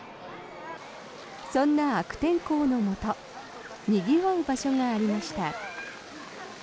そんな悪天候のもとにぎわう場所がありました。